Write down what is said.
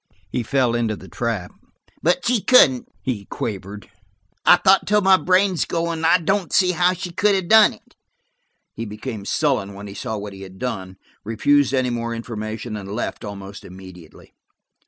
He fell into the trap. "But she couldn't," he quavered. "I've thought until my brain is going, and I don't see how she could have done it." He became sullen when he saw what he had done, refused any more information, and left almost immediately.